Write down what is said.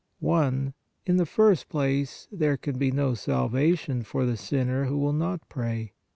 i. In the first place, there can be NO SALVATION FOR THE SINNER WHO WILL NOT PRAY.